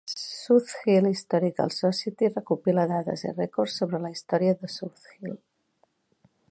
South Hill Historical Society recopila dades i records sobre la història de South Hill.